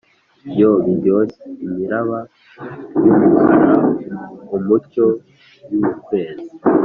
(yoo, biryoshye, imiraba yumukara mumucyo yukwezi!)